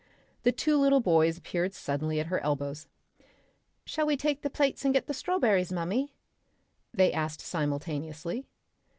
The two little boys appeared suddenly at her elbows. "Shall we take the plates and get the strawberries, Mummy?" they asked simultaneously.